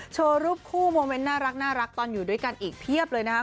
โชว์รูปคู่โมเมนต์น่ารักตอนอยู่ด้วยกันอีกเพียบเลยนะครับ